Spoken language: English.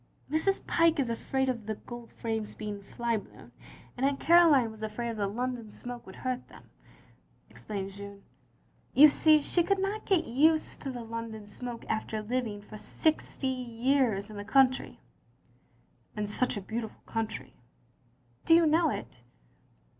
" Mrs. Pyke is afraid of the gold frames being fly blown ; and Aunt Caroline was afraid the London smoke would hurt them," explained Jeanne* "You see she could not get /used to 126 THE LONELY LADY London smoke after living for sixty years in the cotintry. " "And such a beautiful country." "Do you know it?"